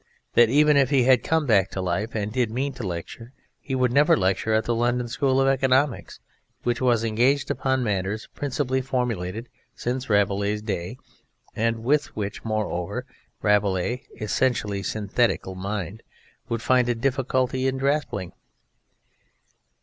(c) That even if he had come back to life and did mean to lecture, he would never lecture at the London School of Economics, which was engaged upon matters principally formulated since Rabelais' day and with which, moreover, Rabelais' "essentially synthetical" mind would find a difficulty in grappling.